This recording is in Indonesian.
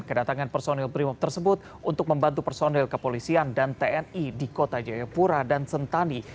kedatangan personil brimob tersebut untuk membantu personil kepolisian dan tni di kota jayapura dan sentani